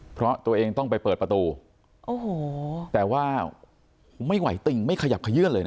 เพราะตัวเองต้องไปเปิดประตูโอ้โหแต่ว่าไม่ไหวติ่งไม่ขยับขยื่นเลยนะ